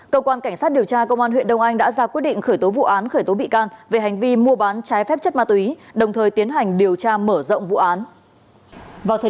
cơ quan công an xác định đối tượng nhuận có sự kết nối và hoạt động phạm tội